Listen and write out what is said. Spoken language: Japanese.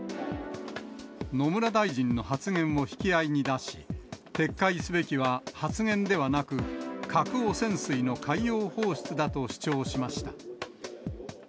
野村大臣の発言を引き合いに出し、撤回すべきは発言ではなく、核汚染水の海洋放出だと主張しました。